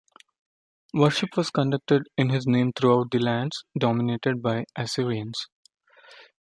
Worship was conducted in his name throughout the lands dominated by the Assyrians.